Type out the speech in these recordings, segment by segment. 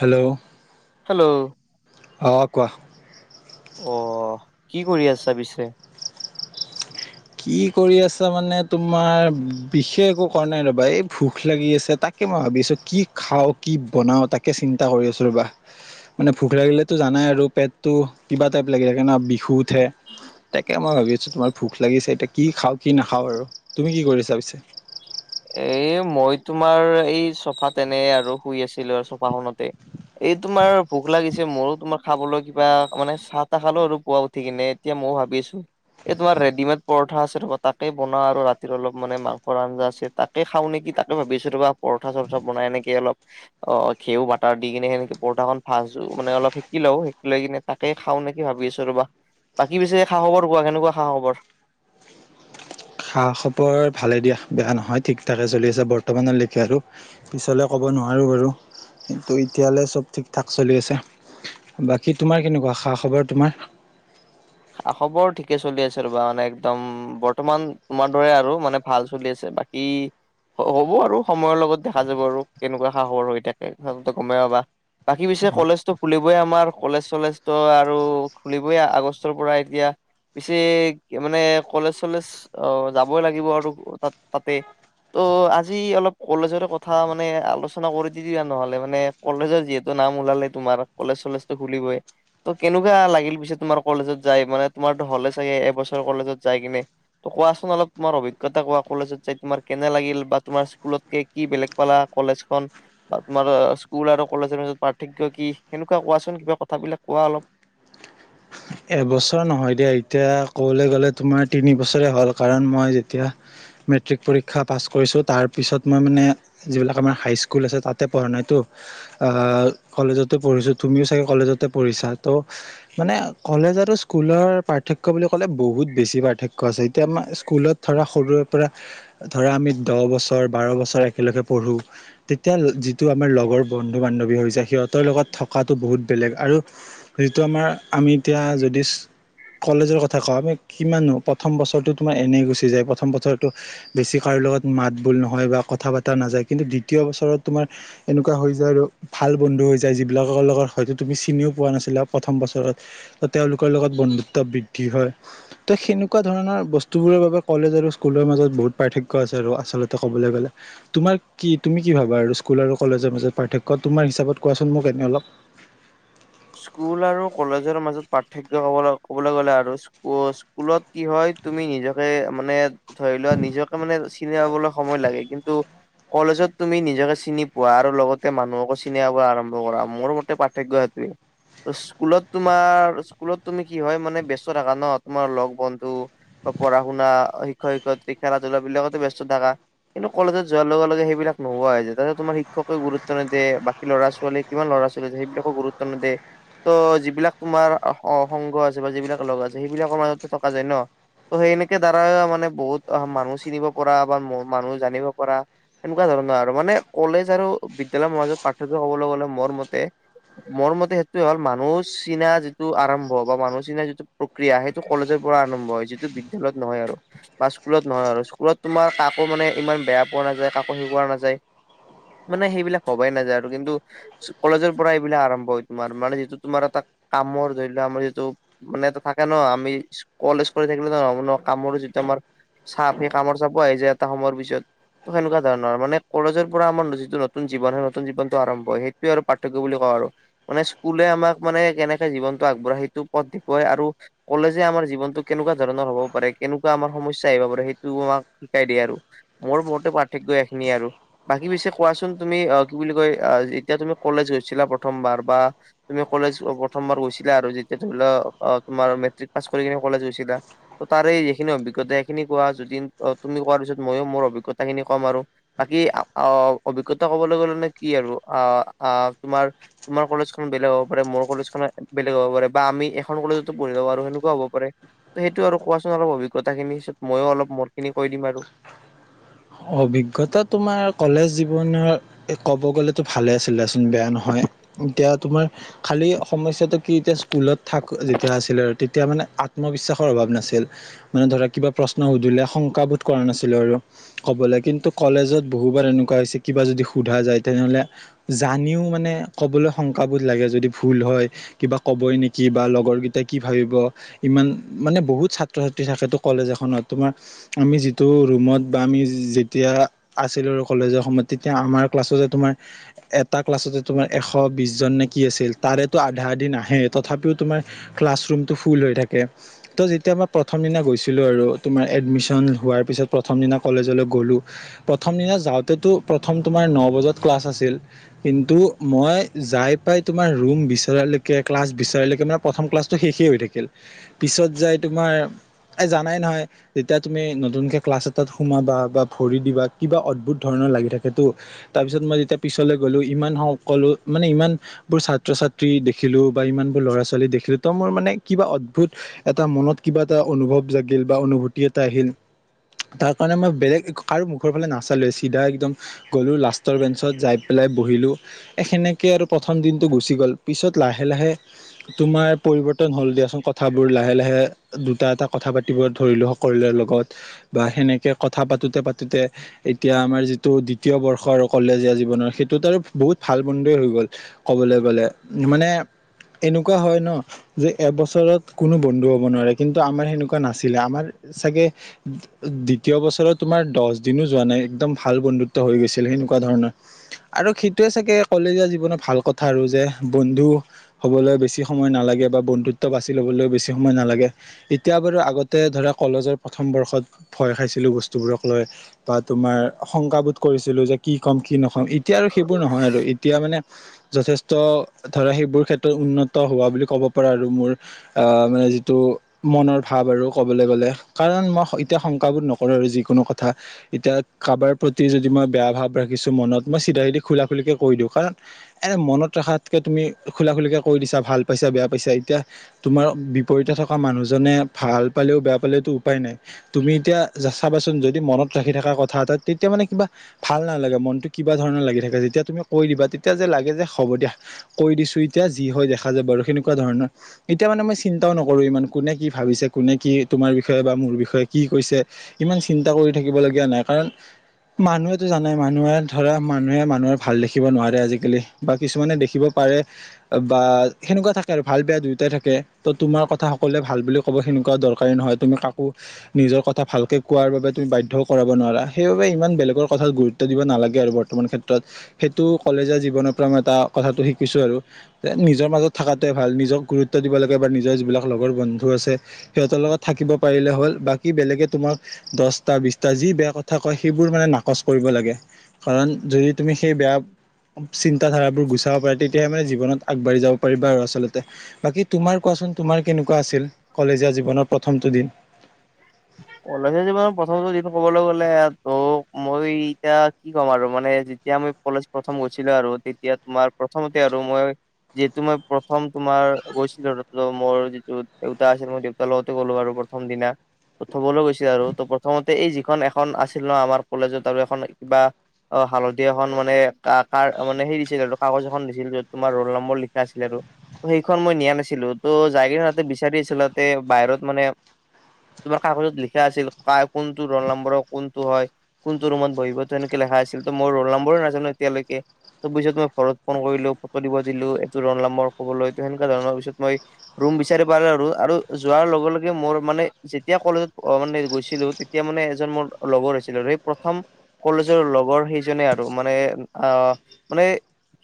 Hello? Hello. অ কোৱা? অ কি কৰি আছা পিছে? কি কৰি আছা মানে তোমাৰ বিশেষ একো কৰা নাই ৰ'বা এই ভোক লাগি আছে তাক তাকে মই ভাবিছোঁ কি খাওঁ কি বনাওঁ তাকে চিন্তা কৰি আছোঁ ৰবা। মানে ভোক লাগিলেটো জানাই আৰু পেটটো কিবা টাইপ লাগি থাকে ন? বিহুত তে, তাকে মই ভাবি আছোঁ তোমাৰ ভোক - - লাগিছে এতিয়া কি খাওঁ কি নাখাওঁ আৰু তুমি কি কৰি আছা পিছে? এই মই তোমাৰ এই চফা এনে আৰু শুই আছিলোঁ আৰু চফাখনতে। এই তোমাৰ ভোক লাগিছে মোৰো তোমাৰ খাবলৈ কিবা মানে চাহ তাহ খালো আৰু পোৱা উঠি কিনে এতিয়া মইও ভাবি আছো। এই তোমাৰ ৰেডিমেড পৰঠা আছে ৰ তাকে বনাও আৰু ৰাতিৰ অলপ মানে মাংস আঞ্জা আছে। তাকে খাওঁ নেকি তাকে ভাবিছো তোবা পৰঠা চৰঠা বনাই নেকি অলপ- অ ঘেউও বাটাৰ দি কিনে সেনেকে পৰঠাখন ভাজো মানে অলপ সেকি লও সেকি লৈ কিনে- তাকে খাওঁ নেকি ভাবি আছো ৰবা, বাকী পিছে খা খবৰ খোৱা কেনেকুৱা খা খবৰ? খা খাপৰ ভালে দিয়া বেয়া নহয় ঠিক ঠাকে চলি আছে বৰ্তমানলৈকে আৰু- পিছলৈ ক'ব নোৱাৰোঁ বাৰু। কিন্তু এতিয়ালৈ চব ঠিক ঠাক চলি আছে বাকী তোমাৰ কেনেকুৱা খা খবৰ তোমাৰ? খা খবৰ ঠিকে চলি আছে ৰ'বা মানে একদম বৰ্তমান তোমাৰ দৰে আৰু মানে ভাল চলি আছে বাকী- এই হ'ব আৰু সময়ৰ লগত দেখা যাব আৰু কেনেকুৱা খা খবৰ হৈ থাকে সচলতে গমে আহাবা। বাকী অ পিছে কলেজটো খুলিবই আমাৰ কলেজ চলেজ তো আৰু খুলিবই আগষ্ট- ও পৰাই দিয়া। পিছে মানে কলেজ চলেজ অ যাবই লাগিব আৰু তাত তাতে- ত' আজি অলপ কলেজৰে কথা মানে আলোচনা কৰি দি দা নহ'লে মানে- কলেজৰ যিহেতু নাম ওলালে তোমাৰ কলেজ চলেজটো খুলিবই ত কেনেকুৱা লাগিল পিছে তোমাৰ? কলেজত যাই মানে তোমাৰতো হ'লে চাগে এবছৰ কলেজত যাই কিনে। কোৱাচোন অলপ তোমাৰ অভিজ্ঞতা কোৱা কলেজত যায় তোমাৰ কেনে লাগিল বা তোমাৰ স্কুলতক কি বেলেগ পালা কলেজখন? বা তোমাৰ স্কুল আৰু কলেজৰ মাজত পাৰ্থক্য কি সেনেকুৱা কোৱাচোন কিবা কথাবিলাক কোৱা অলপ? এবছৰ নহয় দিয়া এতিয়া কবলৈ গ'লে তোমাৰ তিনি বছৰে হ'ল কাৰণ মই যেতিয়া- মেট্ৰিক পৰীক্ষা পাছ কৰিছোঁ তাৰপিছত মই মানে- যিবিলাক আমাৰ হাইস্কুল আছে তাতে পঢ় নাইতো। আহ কলেজতে পঢ়িছো তুমিও চাগে কলেজতে পঢ়িছা ত' মানে কলেজ আৰু স্কুলৰ পাৰ্থক্য বুলি ক'লে বহুত বেছি পাৰ্থক্য আছে এতিয়া আমাৰ স্কুলত ধৰা সৰুৰে পৰা ধৰা আমি দহ বছৰ বাৰ বছৰ একেলগে পঢ়ো। তেতিয়া যিটো আমাৰ লগৰ বন্ধু বান্ধৱী হৈ যায় সিহঁতৰ লগত থকাটো বহুত বেলেগ আৰু যিটো আমাৰ আমি এতিয়া যদি কলেজৰ কথা কওঁ আমি কিমাননো প্ৰথম বছৰটো তোমাৰ এনেই গুচি যায়। প্ৰথম বছৰটো বেছি কাৰো লগত মাত বোল নহয় বা কথা পতা নাযায়। কিন্তু দ্বিতীয় বছৰত তোমাৰ এনেকুৱা হৈ যায় আৰু ভাল বন্ধু হৈ যায় যিবিলাকৰ লগত হয়তো তুমি চিনিও পোৱা নাছিলা প্ৰথম বছৰত। ত' তেওঁলোকৰ লগত বন্ধুত্ব বৃদ্ধি হয়। ত' সেনে সেনেকুৱা ধৰণৰ বস্তুবোৰৰ বাবে কলেজ আৰু স্কুলৰ মাজত বহুত পাৰ্থক্য আছে আৰু আচলতে ক'বলে গ'লে। তোমাৰ কি তুমি কি ভাবা আৰু স্কুল আৰু কলেজৰ মাজত পাৰ্থক্য তোমাৰ হিচাপত কোৱাচোন মোক এনেই অলপ? স্কুল আৰু কলেজৰ মাজত পাৰ্থক্য ক'বলে ক'বলে গ'লে আৰু ৱ স্কুলত কি হয় তুমি নিজকে মানে ধৰি লোৱা নিজকে মানে চিনি পাবলৈ সময় লাগে কিন্তু কলেজত তুমি নিজকে চিনি পোৱা আৰু লগতে মানুহকো চিনি পাব আৰম্ভ কৰা মোৰ মতে পাৰ্থক্য সেইটোৱে। স্কুলত তোমাৰ স্কুলত তুমি কি হয় মানে ব্যস্ত থাকা ন তোমাৰ লগ বন্ধু। পঢ়া-শুনা, শিক্ষয়-শিক্ষয়িত্ৰী খেলা ধূলা বিলাকতো ব্যস্ত থাকা। কিন্তু কলেজত যোৱাৰ লগে-লগে সেইবিলাক নোহোৱা হৈ যায়। তাতে তোমাৰ শিক্ষকে গুৰুত্ব নিদিয়ে বা, কি ল'ৰা ছোৱাল কিমান ল'ৰা ছোৱালী সেইবাক গুৰুত্ব নেদে। ত' যিবিলাক তোমাৰ সংঘ আছে বা যিবিলাক লগ আছে সেইবিলাকৰ মাজতো থকা যায় ন। ত সেই এনেকে দ্বাৰা মানে বহুত মানুহ চিনিব পৰা বা মানুহ জানিব পৰা। এনেকুৱা ধৰণৰ আৰু মানে কলেজ আৰু বিদ্যালয়ৰ মাজত পাৰ্থক্য হবলৈ গলে মোৰ মতে মোৰ মতে সেইটোয়ে হ'ল, মানুহ চিনা যিটো আৰম্ভ বা মানুহ চিনা যিটো প্ৰক্ৰিয়া সেইটো কলেজৰ পৰা আৰম্ভ হৈছি যিটো বিদ্যালয়ত নহয় আৰু। বা স্কুলত নহয় আৰু স্কুলত তোমাৰ কাকো মানে ইমান বেয়া পোৱা নাযায়, কাকো শিকোৱা নাযায়। মানে সেইবিলাক ভবাই নাযায় আৰু কিন্তু কলেজৰ পৰা এইবিলাক আৰম্ভ হয়। তোমাৰ মানে যিটো তোমাৰ এটা কামৰ ধৰি লোৱা আমাৰ যিটো মানে এটা থাকে ন আমি কলেজ কৰি থাকিলে নহয় কামৰ যিটো আমাৰ চাপ সেই কামৰ চাপো আহি যায় এটা সময়ৰ পিছত। ত সেনেকুৱা ধৰণৰ মানে কলেজৰ পৰা আমাৰ যিটোতু জীৱন সেই নতুনীৱনটো আৰম্ভ হয়, সেই সেইটোৱে আৰু পাৰ্থক্য বুলি কওঁ আৰু। মানে স্কুলে আমাক মানে কেনেকে জীৱনটো আগবঢ়াই সেইটো পথ দেখুৱাই আৰু। কলেজে আমাৰ জীৱনটো কেনেকুৱা ধৰণৰ হব পাৰে কেনেকুৱা আমাৰ সমস্যা আহিব পাৰে, সেইটো আমাক শিকাই দিয়ে আৰু মোৰ মতে পাৰ্থক্য এইখিনিযয়ে আৰু। বাকী পিছে কোৱাচোন? তুমি অ, কি বুলি কয় এতিয়া তুমি কলেজ গৈছিলা প্ৰথমবাৰ বা তুমি কলেজ প্ৰথমবাৰ গৈছিলা আৰু যেতিয়া ধৰি লোৱা অ, তুমাৰ মেট্ৰিক পাছ কৰি কি কলেজ গৈছিলা। ত তাৰে যখিনি অভি্তা সেইখিনি কোৱা যদি তুমি কোৱাৰ পিছত মইয়ো মোৰ অভিজ্ঞতাখিনি কম আৰু। বাকী আহ, অভিজ্ঞতা কবলৈ গলে নে কি আৰু আহ, তোমাৰ তোমাৰ কলেজখন বেলেগ হ'ব পাৰে। মোৰ কলেজ খন বেলেগ হ'ব পাৰে বা আমি এখন কলেজতো পঢ়িব পাৰো সেনেকুৱা হ'ব পাৰে। সেইটো আৰু কোৱাচোন অলপ অভিজ্ঞতা খিনি তাৰ পিছত মইয়ো অলপ মোৰ খিনি কৈ দিম আৰু। অভিজ্ঞতা তোমাৰ কলেজ জীৱনৰ এ ক'ব গ'লেতো ভালে আছিলে। বেয়া নহয়। এতিয়া তোমাৰ খালি সমস্যাটো কি এতিয়া স্কুলত থাক যেতিয়া আছিলে আৰু, তেতিয়া মানে আত্মবিশ্বাসৰ অভাৱ নাছিল। মানে ধৰা কিবা প্ৰশ্ন সুধিলে শংকাবোধ কৰা নাছিলো আৰু। ক'বলে কিন্তু কলেজত বহুবাৰ এনেকুৱা হৈছে কিবা যদি সোধা যায় তেনেহ'লে, জানিও মানে ক'বলৈ শংকাবোধ লাগে যদি ভুল হয়। কিবা কবই নেকি বা লগৰ কেইটাই কি ভাবিব। ইমান মানে বহুত ছাত্ৰ ছাত্ৰী থাকে তো। কলেজ এখনত তোমাৰ আমি যিটো ৰুমত বা আমি যেতিয়া আছিলো কলেজৰ সময়ত তেতিয়া আমাৰ ক্লাছো যে তোমাৰ এটা ক্লাছতে তোমাৰ এশ বিশ জন নে কি আছিল, তাৰেতো আধা আধি নাহে তথাপিও তোমাৰ ক্লাছ ৰুমটো ফুল হৈ থাকে। তো যেতিয়া মই প্ৰথম দিনা গৈছিলো আৰু তোমাৰ এডমিশন হোৱাৰ পিছত প্ৰথম দিনা কলেজলৈ গ'লোঁ প্ৰথম দিনা যাওঁতেতো প্ৰথম তোমাৰ ন বজাত ক্লাছ আছিল। কিন্তু মই যাই পাই তোমাৰ ৰুম বিচৰালৈকে, ক্লাছ বিচৰালৈকে মানে। প্ৰথম ক্লাছটো শেষেই হৈ থাকিল। পিছত যাই তোমাৰ এ জানাই নহয়, যেতিয়া তুমি নতুনকে ক্লাছ এটাত সোমাবা বা ভৰি দিবা কিবা অদ্ভুত ধৰণৰ লাগি থাকেতো। তাৰ পিছত মই যেতিয়া পিছলে গ'লো, ইমান সকলো মানে ইমান বোৰ ছাত্ৰ-ছাত্ৰী দেখিলো বা ইমান বোৰ ল'ৰা ছোৱালী দেখিলো ত' মোৰ মানে কিবা অদ্ভুত। এটা মনত কিবা এটা অনুভৱ জাগিল বা অনুভূতি এটা আহিল। মানে মই বেলেগ আৰু মুখৰ ফালে নাচা লোৱে, চিধা একদম গ'লো লাষ্টৰ বেঞ্চত যাই পেলাই বহিলো। সেনেকে আৰু প্ৰথম দিনটো গুচি গ'ল। পিছত লাহে-লাহে তোমাৰ পৰিবৰ্তন হ'ল দিয়াচোন, কথাবোৰ লাহে-লাহে। দুটা এটা কথা পাতিব ধৰিলো সকলোৰে লগত বা সেনেকে কথা পাতোতে-পাতোতে, এতিয়া আমাৰ যিটো দ্বিতীয় বৰ্ষ আৰু কলেজীয়া জীৱনৰ সেইটোত আৰু বহুত ভাল বন্ধুৱেই হৈ গ'ল। কবলে গ'লে মানে এনেকুৱা হয় ন। যে এবছৰত কোনো বন্ধু হব নোৱাৰে কিন্তু আমাৰ সেনেকুৱা নাছিলে আমাৰ। চাগে দ্বিত তীয় বছৰত তোমাৰ দহ দিনো যোৱা নাই একদম ভাল বন্ধুত্ব হৈ গৈছিল সেনেকুৱা ধৰণৰ। আৰু সেইটোৱে চাগে কলেজীয়া জীৱনৰত ভাল কথা আৰু যে বন্ধু। হ'বলৈ বেছি সময় নালাগে বা বন্ধুত্ব বাছি ল'বলৈ বেছি সময় নালাগে। এতিয়া বাৰু আগতে ধৰা কলেজৰ প্ৰথম বৰ্ষত। ভয় খাইছিলোঁ বস্তুবোৰক লৈ বা তোমাৰ শংকাবোধ কৰিছিলোঁ যে, কি ক'ম কি নক'ম এতিয়া আৰু সেইবোৰ নহয় আৰু এতিয়া মানে যথে ষ্ট ধৰা সেইবোৰ ক্ষেত্ৰত উন্নত হোৱা বুলি ক'ব পাৰা আৰু মোৰ। আহ মানে যিটো মনৰ ভাৱ আৰু ক'বলৈ গ'লে কাৰণ মই এতিয়া, শংকাবোধ নকৰো আৰু যিকোনো কথা। এতিয়া কাৰোবাৰ প্ৰতি যদি মই বেয়া ভাৱ ৰাখিছো মনত মই চিধা চিধি খোলা খুলিকে কৈ দিওঁ কাৰণ এনে মনত ৰাখাতকে তুমি খোলা খুলিকৈ কৈ দিছা ভাল পাইছা বেয়া পাইছা এতিয়া। তোমাৰ বিপৰীতে থকা মানুহজনে ভাল পালেও বেয়া পালেওতো উপায় নাই। তুমি এতিয়া চাবাচোন যদি মনত ৰাখি থকা কথা এটা তেতিয়া মানে কিবা। ভাল নালাগে মনতটো কিবা ধৰণৰ লাগি থাকে যেতিয়া তুমি কৈ দিবা তেতিয়া যে লাগে যে হ'ব দিয়া। কৈ দিছো এতিয়া যি হয় দেখা যাব আৰু সেনেকুৱা ধৰণৰ। এতিয়া মানে মই চিন্তাও নকৰো ইমান কোনে কি ভাবিছে কোনে কি তোমাৰ বিষয়ে বা মোৰ বিষয়ে। কি কৈছে ইমান চিন্তা কৰি থাকিব লগীয়া নাই কাৰণ। মানুহেতো জানে মানুহে ধৰা মানুহে মানুহে ভাল দেখিব নোৱাৰে আজিকালি। বা কিছুমানে দেখিব পাৰে। বা সেনেকুৱা থাকে আৰু ভাল বেয়া দুয়োটাই থাকে ত তোমাৰ কথা সকলোৱে ভাল বুলি ক, ক'ব সনেকুৱা দৰকাৰী নহয় তুমি কাকো। নিজৰ কথা ভালকৈ কোৱাৰ বাবে তুমি বাধ্যও কৰাব নোৱাৰা সেইবাবে ইমান বেলেগৰ কথাত গুৰু ত্ব দিব নালাগে আৰু বৰ্তমান ক্ষেত্ৰত সেইটো কলেজৰ জীৱনৰ পৰা এটা কথাটো শিকিছোঁ আৰু। এ নিজৰ মাজত থকাটোৱে ভাল নিজক গুৰুত্ব দিব লাগে বা নিজৰ যিবিলাক লগৰ বন্ধু আছে। সিহঁতৰ লগত থাকিব পাৰিলে হ'ল বা কি বেলেগে তোমাক দহটা বিটা যি বেয়া কথা কয় সেইবোৰ মানে নাকচ কৰিব লাগে। কাৰণ যদি তুমি সেই বেয়া চিন্তা ধাৰাবোৰ গুচাব পাৰা তে তিয়াহে মানে জীৱনত আগবাঢ়ি যাব পাৰিবা আৰু আচলতে বাকী তোমাৰ কোৱাচোন। তোমাৰ কেনেকুৱা আছিল কলেজীয়া জীৱনৰ প্ৰথমটো দিন। কলেজীয়া জীৱন প্ৰথমটো দিন কবলৈ গলে ত মই এতিয়া কি ক'ম আৰু মানে যেতিয়া মই কলেজ প্ৰথম গৈছিলো আৰু তেতিয়া। তোমাৰ প্ৰথমতে আৰু মই যিহেতু মই প্ৰথম তোমাৰ গৈছিলোঁ মোৰ যিটো দেউতা আছিল মোৰ দেউ তাৰ লগতে গ'লো আৰু প্ৰথম দিনা। থবলৈ গৈছিল আৰু ত প্ৰথমতে এই যিখন এখন আছিল ন আমাৰ কলেজত আৰু এখন কিবা। অ হালধি এখন মানে কাৰ মানে সেই দিছিল আৰু কাগজ এখন দিছিল য'ত তোমাৰ ৰোল নম্বৰ লিখা আছিল আৰু। সেইখন মই নিয়া নাছিলো ত' যাইকেনে তাতে বিচাৰি আছিলতে বাহিৰত মানে তোমাৰ কাগজত লিখা আছিল কাৰ কোনটো ৰোল নম্বৰ কোনটো হয়। কোনটো ৰুমত বহিব তো এনেকে লেখা আছিল ত মই ৰোল নম্বৰো নাজানো এতিয়ালৈকে ত পিছত মই ঘৰত ফোন কৰিলো ফটো দিব দিলো এইটো ৰোল নম্বৰ ক'বলৈটো সেনেকুৱা ধৰণৰ পিছত মই ৰুম বিচাৰি পালোঁ আৰু আৰু যোৱাৰ লগে লগে মোৰ মানে যেতিয়া কলেজত মানে গৈছিলো তেতিয়া মানে এজন মোৰ লগৰ হৈছিলো সেই প্ৰথম কলেজৰ লগৰ সেইজনে আৰু মানে আহ মানে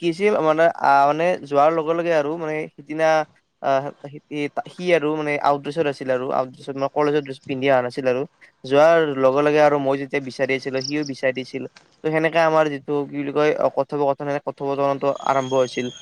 কি চিল মানে আহ মানে যোৱাৰ লগে লগে আৰু মানে সিদিনা আহ সি আৰু মানে আউটড্ৰেছত আছিল আৰু আউটড্ৰছত মানে কলেজৰ ড্ৰেছ পিন্ধি অহা নাছিল আৰু। যোৱাৰ লগে লগে আৰু মই যেতিয়া বিচাৰি আছিলো সিও বিচাৰি দিছিল। ত, সেনেকে আমাৰ যিটো কি বুলি কয়, কথোপকথনেৰে কথোপথনটো আৰম্ভ হৈছিল।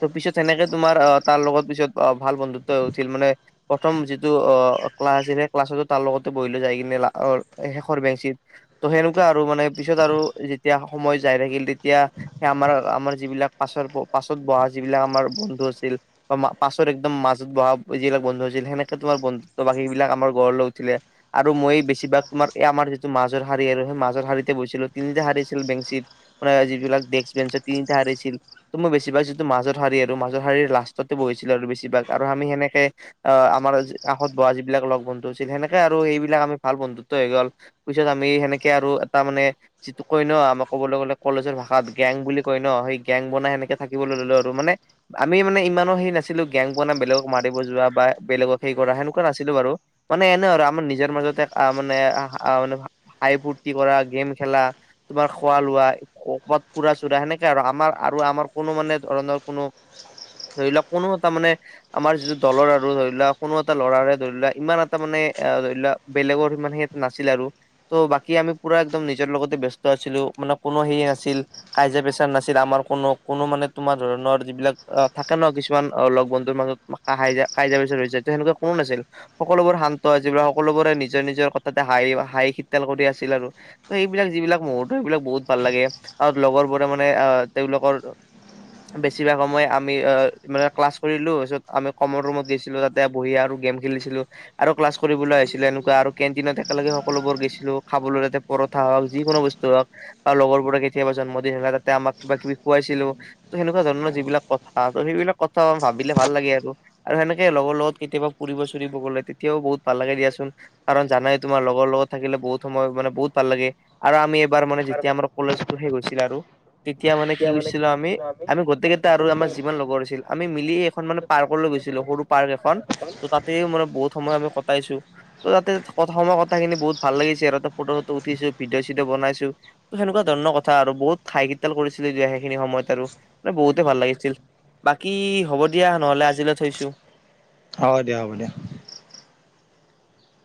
ত, পিছত সেনেকে তোমাৰ অ' তাৰ লগত পিছত অ' ভাল বন্ধুত্ব উঠিল মানে প্ৰথম যিটো অ' ক্লাছ আছিলে সেই ক্লাছতো তাৰ লগতে বহিলৈ যাই কিনে অ' শেষৰ বেঞ্চিত। ত' সেনেকুৱা আৰু মানে পিছত আৰু যেতিয়া সময় যায় থাকিল তেতিয়া। সেই আমাৰ আমাৰ যিবিলাক পাছৰ পাছত বঢ়া যিবিলাক আমাৰ বন্ধু আছিল। বা পাছৰ একদম মাজত বঢ়া যিলাক বন্ধু হৈছিল সেনেকে তোমাৰ বন্ধু ত' বাকী এইবিলাক আমাৰ গঢ় লৈ উঠিলে। আৰু মই বেছিভাগ তোমাৰ এই আমাৰ যিটো মাজৰ শাৰী আৰু সেই মাজৰ শাৰীতে বহিছিলো তিনিটা শাৰী আছিল বেঞ্চিত। মানে যিবিলাক ডেস্ক বেঞ্চৰ তিনিটা সাৰি আছিল। ত, মই বেছিভাগ যিটো মাজৰ শাৰী আৰু মাজৰ শাৰীৰ লাষ্টতে বহিছিলো আৰু বেছিভাগ আৰু আমি সেনেকে অ' আমাৰ কাষত বঢ়া যিবিলাক লগ বন্ধু আছিল সেনেকে আৰু এইবিলাক আমি ভাল বন্ধুত্ব হৈ গ'ল। পিছত আমি সেনেকে আৰু এটা মানে যিটো কয় ন, আমাৰ কবলৈ গলে কলেজৰ ভাষাত গেং বুলি কয় ন' সেই গেং বনাই সেনেকে থাকিবলৈ ললো আৰু মানে আমি মানে ইমানো হে নাছিলো গেং পোৱা নে বেলেগক মাৰিব যোৱা বা বেলেগক হে কৰা হেনকুৱা। নাছিলো বাৰু মানে এনে আৰু আমাৰ নিজৰ মাজতে আহ মানে মানে হাই ফূৰ্তি কৰা গেম খেলা তোমাৰ খোৱা লোৱা। ওপৰত ফুৰা- চুৰা সেনেকে আৰু আমাৰ আৰু আমাৰ কোনো মানে ধৰণৰ কোনো ধৰি লওঁক কোনো এটা মানে আমাৰ যিটো দলৰ আৰু ধৰি লোৱা কোনো এটা ল'ৰাৰে ধৰি লোৱা ইমান এটা মানে ধৰি লোৱা বেলেগৰ সমান সি নাছিল আৰু। ত' বাকী আমি পুৰা একদম নিজৰ লগতে ব্যস্ত আছিলো মানে কোনো সেই নাছিল। কাজিয়া পেচাৰ নাছিল আমাৰ কোনো কোনো মানে তোমাৰ ধৰণৰ যিবিলাক অ থাকে ন' কিছুমান অ 'লগ বন্ধুৰ মাজত। হাইজা হাইজা পিছতৰ তেনেকা কোন আছিল। সকলোবোৰ শান্তআছিল সকলোবোৰে নিজৰ নিজৰ কথাতে হাঁহ হাঁহি শীতাল কৰি আছিল আৰু। সেইবিলাক যিবিলাক মুহুৰ্ত বিলাক বহুত ভাল লাগে আৰু লগৰ বোৰে মানে আহ তেওঁলোকৰ। বেছিভাগ সময় আমি অ' মানে ক্লাছ কৰিলো তাৰপিছত আমি কমল ৰুমত দিছিলো তাতে বহি আৰু। গেম খেলিছিলো আৰু ক্লাছ কৰিবলৈ আহিছিলো এনেকুৱা আৰু কেণ্টিনত একেলগে সকলোবোৰ গৈছিলো খাবলৈ। পৰঠা হওক যিকোনো বস্তু হওক আৰু লগৰবোৰে কেতিয়াবা জন্মদিন হলে তাতে আমাক কিবা কিবি খুৱাইছিলো। ত' সেনেকুৱা ধৰণৰ যিবিলাক কথা ত সেইবিলাক কথা ভাবিলে ভাল লাগে আৰু। আৰু সেনেকে লগৰ লগত কেতিয়াবা ফুৰিব চুৰিব গ'লে তেতিয়াও বহুত ভাল লাগে দিয়াচোন। কাৰণ জানাই তোমাৰ লগৰ লগত থাকিলে বহুত সময় মানে বহুত ভাল লাগে। আৰু আমি এইবাৰ মানে যেতিয়া আমাৰ কলেজটো শেষ হৈছিল আৰু। তেতিয়া মানে কি কৰিছিলো আমি আমি গোটেইকেইটা আৰু আমাৰ যিমান লগৰ আছিল। আমি মিলি এখন মানে পাৰ্কলৈ গৈছিলো সৰু পাৰ্ক এখন ত' তাতে মানে বহুত সময় আমি কটাইছো। তাতে সময় কথাখিনি বহুত ভাল লাগিছে আৰু ততে ফটো ফটো উঠিছো। ভিডিঅ চিডি' বনাইছো। ত, সেনেকুৱা ধৰণৰ কথা আৰু বহুত খাইখিতাল কৰিছিল সেইখিনি সময়ত আৰু মানে বহুতে ভাল লাগিছিল। বাকী হ'ব দিয়া নহলে আজিলৈ থৈছো। হ'ব দিয়া হ'ব দিয়া।